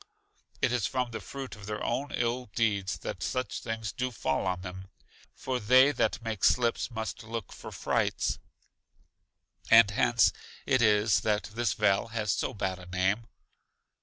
it is from the fruit of their own ill deeds that such things do fall on them. For they that make slips must look for frights. And hence it is that this vale has so bad a name.